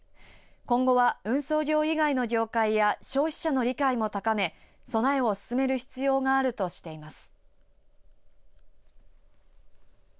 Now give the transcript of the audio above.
今後は運送業以外の業界や消費者の理解も高め備えを進める必要があるとしています。